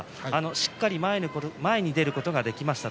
しっかり前に出ることができました。